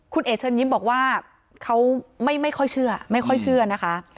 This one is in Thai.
คุณเอ๋เชิญยิ้มบอกว่าเขาไม่ค่อยเชื่อไม่ค่อยเชื่อนะคะ